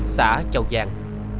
xã châu giang